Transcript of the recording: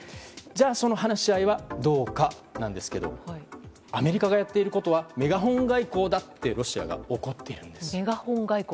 じゃあ、その話し合いはどうかなんですけどアメリカがやっていることはメガホン外交だとロシアが怒っているんです。